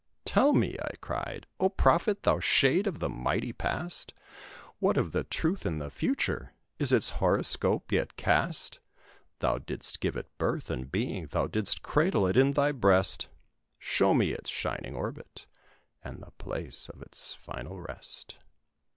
"Tell me," I cried, "O Prophet, thou shade of the mighty Past, What of the Truth in the future? Is its horoscope yet cast? Thou didst give it its birth and being, thou didst cradle it in thy breast Show me its shining orbit, and the place of its final rest!"